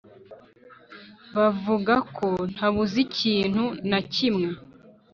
bavuga ko ntabuze ikintu na kimwe